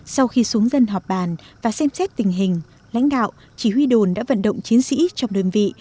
sau khi xuống dân họp bàn và xem xét tình hình lãnh đạo chỉ huy đồn đã vận động chiến sĩ trong đơn vị